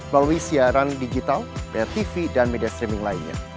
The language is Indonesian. baloi siaran digital btv dan media streaming lainnya